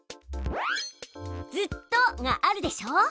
「ずっと」があるでしょ。